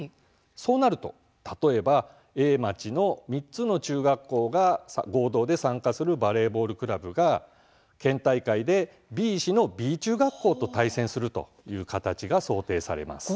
そうなると、例えばＡ町の３つの中学校が合同で参加するバレーボールクラブが県大会でＢ市のＢ中学校と対戦するという形が想定されます。